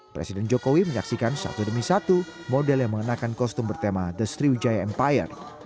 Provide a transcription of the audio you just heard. presiden jokowi menyaksikan satu demi satu model yang mengenakan kostum bertema the sriwijaya empire